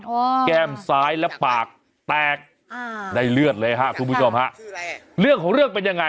แก้มซ้ายและปากแตกอ่าได้เลือดเลยฮะคุณผู้ชมฮะเรื่องของเรื่องเป็นยังไง